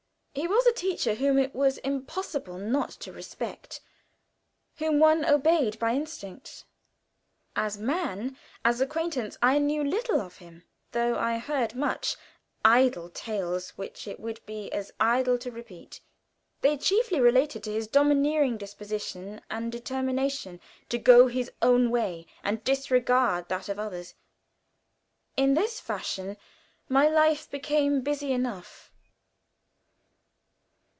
He was a teacher whom it was impossible not to respect, whom one obeyed by instinct. As man, as acquaintance, I knew little of him, though I heard much idle tales, which it would be as idle to repeat. They chiefly related to his domineering disposition and determination to go his own way and disregard that of others. In this fashion my life became busy enough.